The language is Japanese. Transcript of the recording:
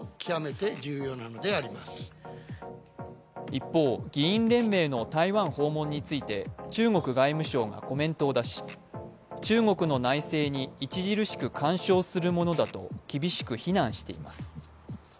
一方、議員連盟の台湾訪問について中国外務省がコメントを出し中国の内政に著しく干渉するものだと厳しく非難しています。